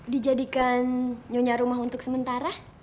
dijadikan nyonya rumah untuk sementara